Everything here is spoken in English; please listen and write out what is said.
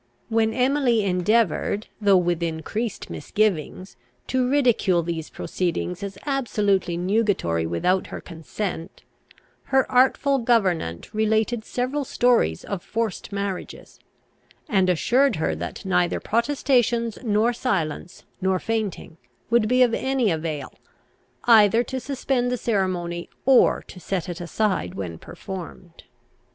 When Emily endeavoured, though with increased misgivings, to ridicule these proceedings as absolutely nugatory without her consent, her artful gouvernante related several stories of forced marriages, and assured her that neither protestations, nor silence, nor fainting, would be of any avail, either to suspend the ceremony, or to set it aside when performed.